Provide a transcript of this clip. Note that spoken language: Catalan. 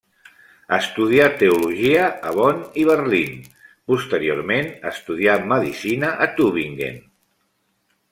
Estudià teologia a Bonn i Berlín, posteriorment estudià Medicina a Tübingen.